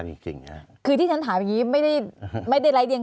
จริงจริงฮะคือที่ฉันถามอย่างงี้ไม่ได้ไม่ได้ไล่เรียง